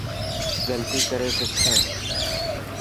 غلطي ڪري سکسي.